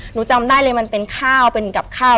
หนูจำได้เลยมันเป็นข้าวเป็นกับข้าว